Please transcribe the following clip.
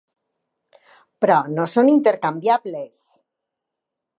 Però no són intercanviables.